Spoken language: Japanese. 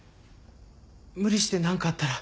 無理して何かあったら。